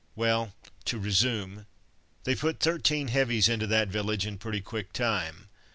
Well, to resume; they put thirteen heavies into that village in pretty quick time.